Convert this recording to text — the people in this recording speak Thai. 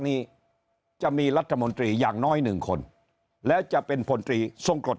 นี้จะมีรัฐมนตรีอย่างน้อยหนึ่งคนแล้วจะเป็นพลตรีทรงกรด